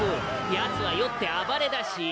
やつは酔って暴れだし。